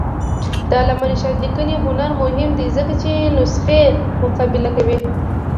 د علامه رشاد لیکنی هنر مهم دی ځکه چې نسخې مقابله کوي.